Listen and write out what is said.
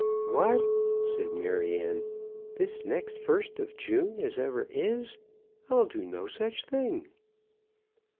"What!" said Maryanne. "This next first of June as ever is? I'll do no such thing."